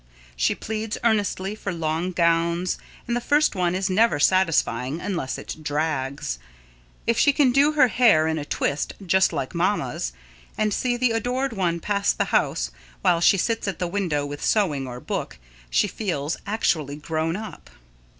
She pleads earnestly for long gowns, and the first one is never satisfying unless it drags. If she can do her hair in a twist "just like mamma's," and see the adored one pass the house, while she sits at the window with sewing or book, she feels actually "grown up."